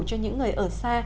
cho những người ở xa